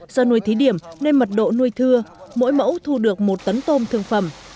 do nuôi thí điểm nên mật độ nuôi thưa mỗi mẫu thu được một tấn tôm thương phẩm